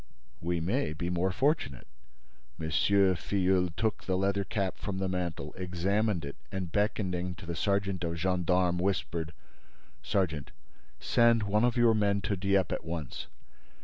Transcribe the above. "We may be more fortunate." M. Filleul took the leather cap from the mantel, examined it and, beckoning to the sergeant of gendarmes, whispered: "Sergeant, send one of your men to Dieppe at once.